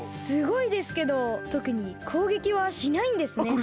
すごいですけどとくにこうげきはしないんですね。